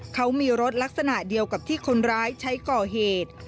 เขามีรถลักษณะเดียวกับที่คนร้ายใช้ก่อเหตุ